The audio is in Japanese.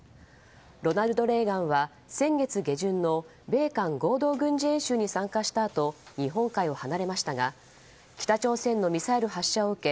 「ロナルド・レーガン」は先月下旬の米韓合同軍事演習に参加したあと日本海を離れましたが北朝鮮のミサイル発射を受け